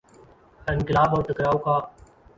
انقلاب اور ٹکراؤ کا۔